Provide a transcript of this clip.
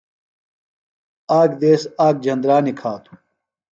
آک دیس آک جھندرا نِکھاتوۡ۔